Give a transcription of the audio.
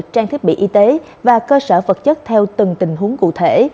trang thiết bị y tế và cơ sở vật chất theo từng tình huống cụ thể